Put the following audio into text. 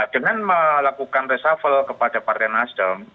dengan melakukan resapel kepada partai nasdam